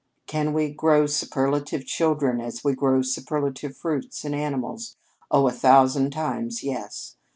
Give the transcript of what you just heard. Can we grow superlative children, as we grow superlative fruits and animals? Oh, a thousand times, yes.